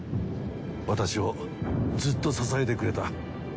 私をずっと支えてくれた。